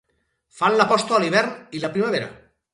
Fan la posta a l'hivern i la primavera.